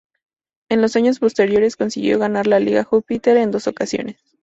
En los años posteriores, consiguió ganar la Liga Jupiler en dos ocasiones.